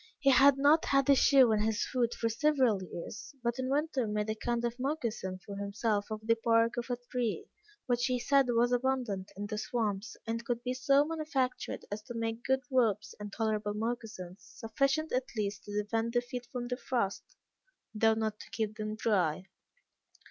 He had not had a shoe on his foot for several years, but in winter made a kind of moccasin for himself of the bark of a tree, which he said was abundant in the swamps, and could be so manufactured as to make good ropes, and tolerable moccasins, sufficient at least to defend the feet from the frost, though not to keep them dry.